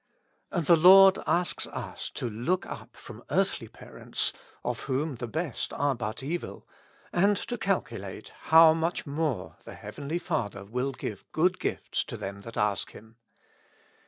And the Lord asks us to look up from earthly parents, of whom the best are but evil, and to calculate how much more the heavenly Father will give good gifts to them that ask Him.